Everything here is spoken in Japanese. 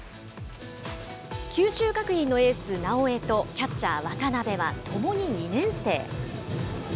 九州学院のエース、直江とキャッチャー、渡辺は、ともに２年生。